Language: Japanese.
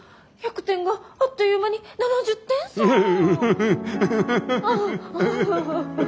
１００点があっという間に７０点さー。